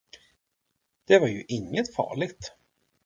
Det var ju inget farligt.